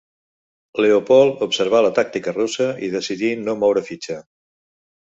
Leopold observà la tàctica russa i decidí no moure fitxa.